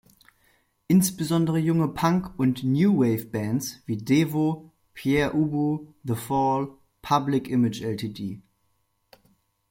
Insbesondere junge Punk- und New-Wave-Bands wie Devo, Pere Ubu, The Fall, Public Image Ltd.